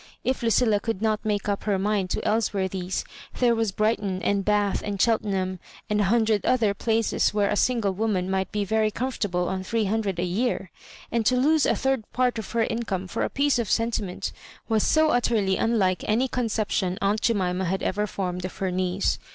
If Lucilla could not make up her mind to Elsworthy's, there was Brighton and Bath and Cheltenham, and a hundred other places where a single woman might be very comfortable on three hundred a year. And to lose a third part of her income for a piece of sentiment was so utterly unlike any conception aunt Jemima had ever formed of her niece.